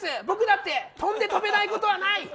僕だって飛んで飛べないことはない！